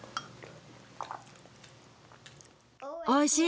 おいしい。